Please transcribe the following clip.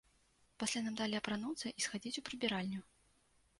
Пасля нам далі апрануцца і схадзіць у прыбіральню.